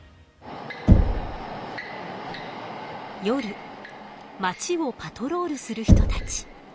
夜まちをパトロールする人たち。